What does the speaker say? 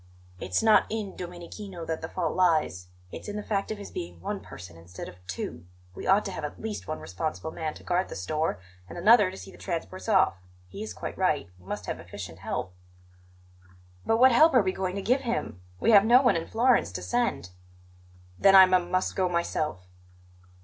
"It's not in Domenichino that the fault lies; it's in the fact of his being one person instead of two. We ought to have at least one responsible man to guard the store and another to see the transports off. He is quite right; he must have efficient help." "But what help are we going to give him? We have no one in Florence to send." "Then I m must go myself."